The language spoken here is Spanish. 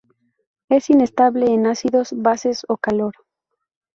Es inestable en ácidos, bases o calor.